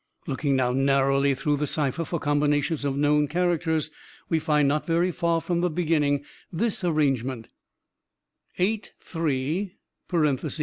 "Looking now, narrowly, through the cipher for combinations of known characters, we find, not very far from the beginning, this arrangement, 83(88, or egree.